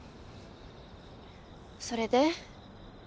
それで？